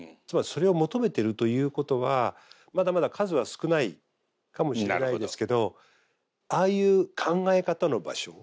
つまりそれを求めてるということはまだまだ数は少ないかもしれないですけどああいう考え方の場所